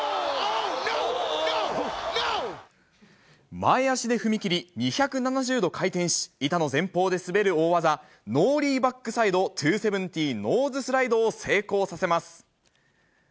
前足で踏み切り、２７０度回転し、板の前方で滑る大技、ノーリーバックサイド２７０ノーズスライドを成功させます。